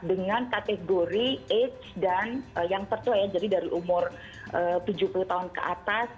dengan kategori age dan yang tertua ya jadi dari umur tujuh puluh tahun ke atas